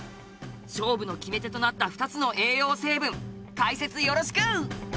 勝負の決め手となった２つの栄養成分解説よろしく！